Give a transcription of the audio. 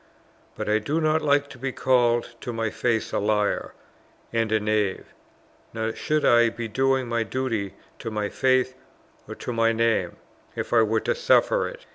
But I do not like to be called to my face a liar and a knave; nor should I be doing my duty to my faith or to my name, if I were to suffer it.